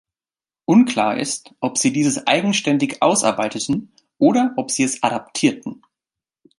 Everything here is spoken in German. Unklar ist, ob sie dieses eigenständig ausarbeiteten oder ob sie es adaptierten.